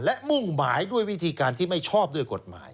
และมุ่งหมายด้วยวิธีการที่ไม่ชอบด้วยกฎหมาย